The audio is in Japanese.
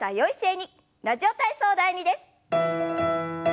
「ラジオ体操第２」です。